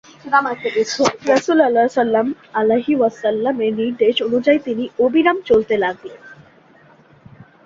রাসূলুল্লাহ সাল্লাল্লাহু আলাইহি ওয়াসাল্লামের নির্দেশ অনুযায়ী তিনি অবিরাম চলতে লাগলেন।